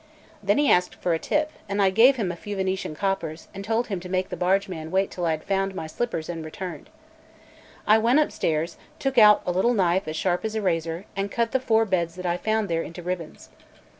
Then he asked me for a tip, and I gave him a few Venetian coppers, and told him to make the barge man wait till I had found my slippers and returned. I went upstairs, took out a little knife as sharp as a razor, and cut the four beds that I found there into ribbons.